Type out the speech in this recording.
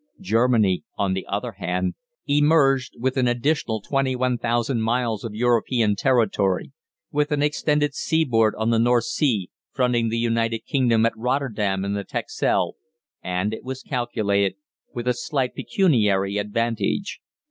Germany, on the other hand, emerged with an additional 21,000 miles of European territory, with an extended seaboard on the North Sea, fronting the United Kingdom at Rotterdam and the Texel, and, it was calculated, with a slight pecuniary advantage.